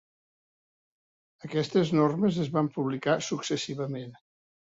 Aquestes normes es van publicar successivament.